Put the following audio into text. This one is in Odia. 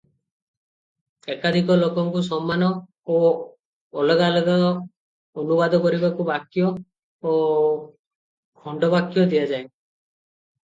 ଏକାଧିକ ଲୋକଙ୍କୁ ସମାନ ଓ ଅଲଗା ଅଲଗା ଅନୁବାଦ କରିବାକୁ ବାକ୍ୟ ଓ ଖଣ୍ଡବାକ୍ୟ ଦିଆଯାଏ ।